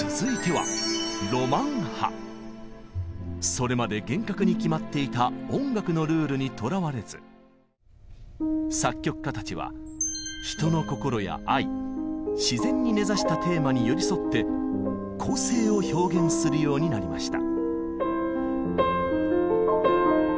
それまで厳格に決まっていた音楽のルールにとらわれず作曲家たちは人の心や愛自然に根ざしたテーマに寄り添って個性を表現するようになりました。